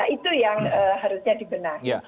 itu yang harusnya dibenahi